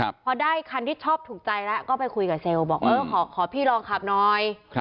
พอได้คันที่ชอบถูกใจแล้วก็ไปคุยกับเซลล์บอกเออขอขอพี่ลองขับหน่อยครับ